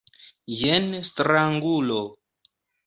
Jen strangulo.